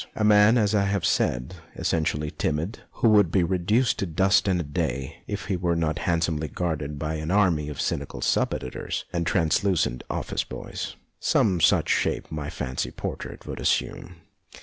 A man, as I have siaid, essentially timid, who would be reduced to dust in a day if he were not handsomely guarded by an army of cynical sub editors and truculent office boys. Some such shape my fancy portrait would assume.